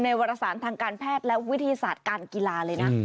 วรสารทางการแพทย์และวิทยาศาสตร์การกีฬาเลยนะ